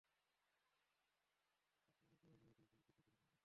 আপনার মেয়ে তার প্রেমিকের সাথে পালিয়ে গেছে।